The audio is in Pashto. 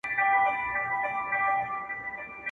په وطن کي د سالم سنتيز رامنځته کولو